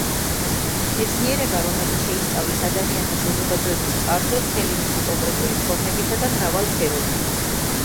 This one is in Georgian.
მეცნიერება, რომელიც შეისწავლის ადამიანთა საზოგადოების წარსულს მთელი მისი კონკრეტული ფორმებითა და მრავალფეროვნებით.